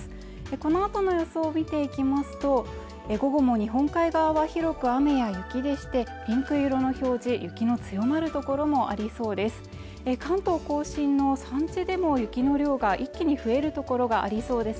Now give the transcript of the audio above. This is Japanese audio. このあとの予想見ていきますと午後も日本海側は広く雨や雪でしてピンク色の表示雪の強まる所もありそうです